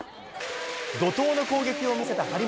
怒とうの攻撃を見せた張本。